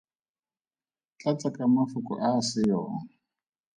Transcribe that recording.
Tlatsa ka mafoko a a se yong.